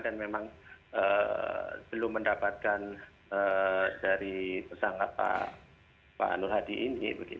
dan memang belum mendapatkan dari pesangka pak nur hadi ini